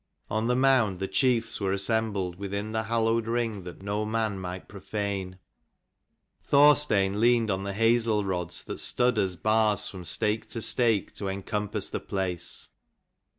On the mound the chiefs were assembled, within the hallowed ring that no man might profane. Thorstein leaned on the hazel rods, that stood as bars from stake to stake to encompass the place.